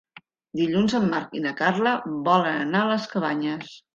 Dilluns en Marc i na Carla volen anar a les Cabanyes.